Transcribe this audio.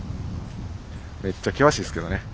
めっちゃ険しいですけどね。